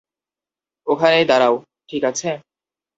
ওখানেই দাঁড়াও, ঠিক আছে?